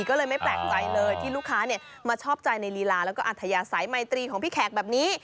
ก็เลยไม่แปลกใจเลยที่ลูกค้ามาชอบใจในลีลาแล้วก็อัธยาศัยไมตรีของพี่แขกแบบนี้